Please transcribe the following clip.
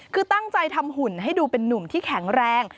คือตั้งใจทำหุ่นให้ดูเป็นนุ่มที่แข็งแรง